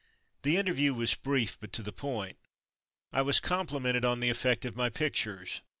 The interview was brief, but to the point. I was complimented on the effect of my pictures.